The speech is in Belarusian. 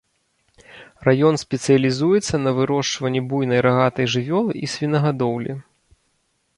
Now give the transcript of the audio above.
Раён спецыялізуецца на вырошчванні буйнай рагатай жывёлы і свінагадоўлі.